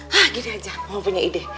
hah gini aja mau punya ide